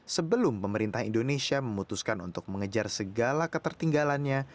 sebelum pemerintah indonesia memutuskan untuk mengejar segala ketertinggalannya